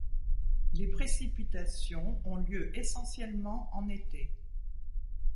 Les précipitations ont lieu essentiellement en été.